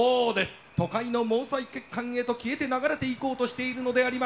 都会の毛細血管へと消えて流れていこうとしているのでありましょうか？